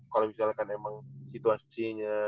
kalau misalnya kan emang situasinya